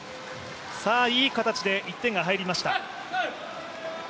いい形で１点が入りました。